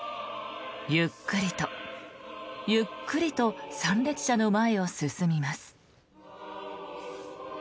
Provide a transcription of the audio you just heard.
ゆっくりと、ゆっくりと参列者の前を進みます。